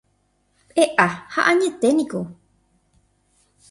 E'a ha añeténiko.